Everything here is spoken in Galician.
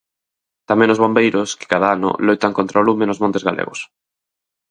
Tamén os bombeiros que cada ano loitan contra o lume nos montes galegos.